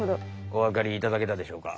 おわかりいただけたでしょうか。